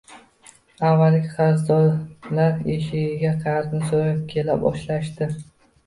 Avvalgi qarzdorlar eshigiga qarzni soʻrab kela boshlashdi.